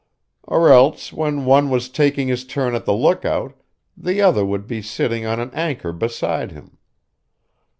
Or else, when one was taking his turn at the lookout, the other would be sitting on an anchor beside him.